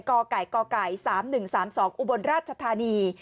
กก๓๑๓๒อุบลราชธานี